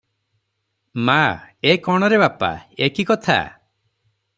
ମା - ଏ କଣ ରେ ବାପ! ଏ କି କଥା?